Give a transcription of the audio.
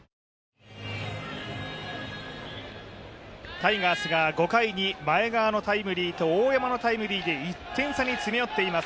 タイガースが５回に前川のタイムリーと大山のタイムリーで１点差に詰め寄っています